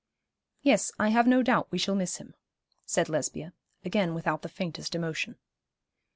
'Yes, I have no doubt we shall miss him,' said Lesbia, again without the faintest emotion.